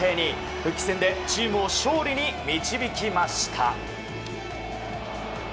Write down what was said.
復帰戦でチームを勝利に導きました。